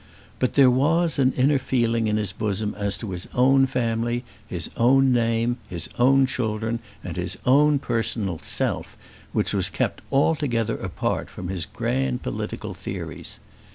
But there was an inner feeling in his bosom as to his own family, his own name, his own children, and his own personal self, which was kept altogether apart from his grand political theories.